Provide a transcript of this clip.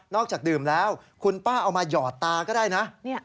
จากดื่มแล้วคุณป้าเอามาหยอดตาก็ได้นะ